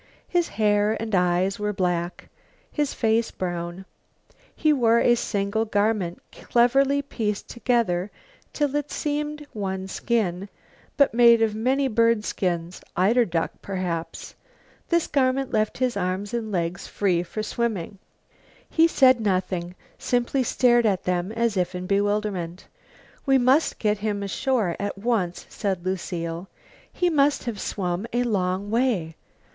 His hair and eyes were black, his face brown. He wore a single garment, cleverly pieced together till it seemed one skin, but made of many bird skins, eiderduck, perhaps. This garment left his arms and legs free for swimming. He said nothing, simply stared at them as if in bewilderment. "We must get him ashore at once," said Lucile. "He must have swum a long way."